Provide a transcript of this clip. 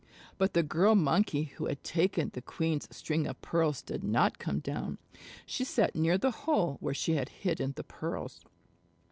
But the Girl Monkey who had taken the queen's string of pearls did not come down. She sat near the hole where she had hidden the pearls.